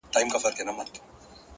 علم د تصمیم نیولو ځواک زیاتوي.